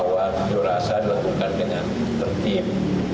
imbauan iya bahwa minjuk rasa dilakukan dengan tertib